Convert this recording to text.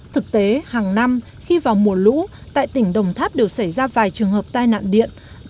thực tế hàng năm khi vào mùa lũ tại tỉnh đồng tháp đều xảy ra vài trường hợp tai nạn điện